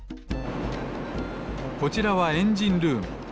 こちらはエンジンルーム。